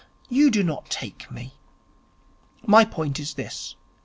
You do not take me. My point is this.